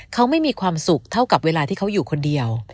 เขาไม่มีความสุขเท่ากับเวลาที่เขาอยู่คนเดียว